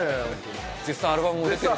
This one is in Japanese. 絶賛アルバムも出てるし。